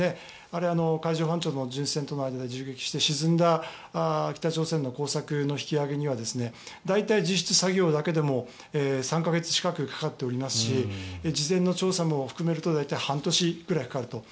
あれは海上保安庁の巡視船との間で銃撃して沈んだ北朝鮮の工作船の引き揚げには大体、実質作業だけでも３か月近くかかっておりますし事前の調査も含めると大体、半年ぐらいかかると。